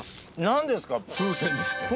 何ですか？